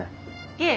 いえ。